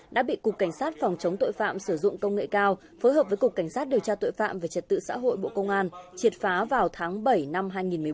đã bị cục cảnh sát phòng chống tội phạm sử dụng công nghệ cao phối hợp với cục cảnh sát điều tra tội phạm về trật tự xã hội bộ công an triệt phá vào tháng bảy năm hai nghìn một mươi bốn